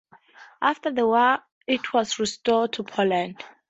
After the war it was restored to Poland.